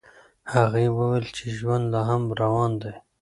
هغې وویل چې ژوند لا هم روان دی.